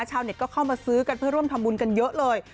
ชาวเน็ตก็เข้ามาซื้อกันเพื่อร่วมทำบุญกันเยอะเลย